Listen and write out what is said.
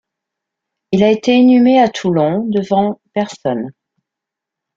Il a été inhumé à Toulon devant personnes.